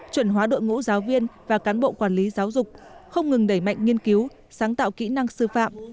chuẩn hóa đội ngũ giáo viên và cán bộ quản lý giáo dục không ngừng đẩy mạnh nghiên cứu sáng tạo kỹ năng sư phạm